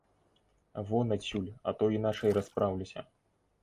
Вон адсюль, а то іначай распраўлюся!